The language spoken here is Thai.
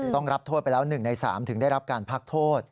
ต้องรับโทษไปแล้ว๑ใน๓ถึงได้รับการพักโทษ